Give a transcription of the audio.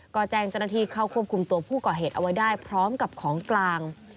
ก็แจ้งเจ้าหน้าที่เข้าควบคุมตัวผู้ก่อเหตุเอาไว้ได้พร้อมกับของกลาง